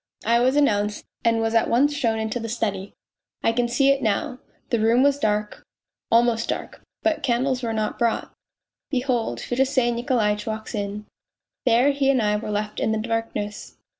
I was announced, and was at once shown into the study. I can see it now; the room was dark, almost dark, but candles were not brought. Behold, Fedosey Nikolaitch walks in. There he and I were left in the darkness.